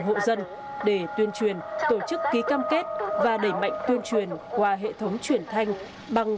hộ dân để tuyên truyền tổ chức ký cam kết và đẩy mạnh tuyên truyền qua hệ thống chuyển thanh bằng